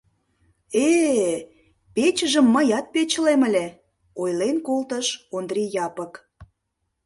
Э-э, печыжым мыят печылем ыле, — ойлен колтыш Ондри Япык.